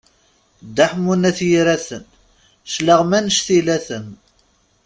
Dda Ḥemmu n At Yiraten, claɣem annect ila-ten!